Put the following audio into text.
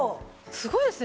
すごいですね。